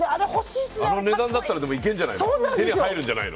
あの値段だったら手に入るんじゃないの。